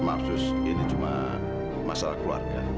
maaf sus ini cuma masalah keluarga